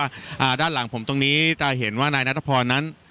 อ่าด้านหลังผมตรงนี้จะเห็นว่านายนัทพรนั้น